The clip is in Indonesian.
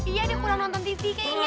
iya deh kurang nonton tv kayaknya